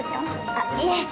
あっいえ